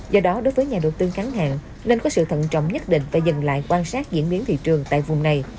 do đó đối với nhà đầu tư ngắn hạng nên có sự thận trọng nhất định và dừng lại quan sát diễn biến thị trường tại vùng này